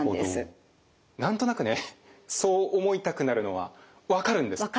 何となくねそう思いたくなるのは分かるんです。